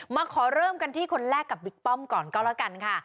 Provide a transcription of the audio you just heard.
มาขอเริ่มกันที่คนแรกกับบิ๊กป้อมก่อนก็แล้วกันค่ะ